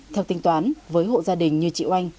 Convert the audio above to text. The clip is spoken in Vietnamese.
theo tính toán với hộ gia đình như chị oanh